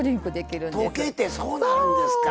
溶けてそうなるんですか。